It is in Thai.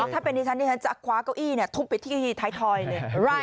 ถ้าเป็นดิฉันดิฉันจะคว้าเก้าอี้ทุบไปที่ท้ายทอยเลย